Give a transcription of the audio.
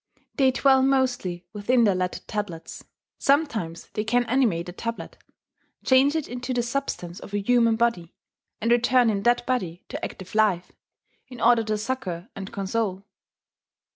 They dwell mostly within their lettered tablets; sometimes they can animate a tablet, change it into the substance of a human body, and return in that body to active life, in order to succour and console.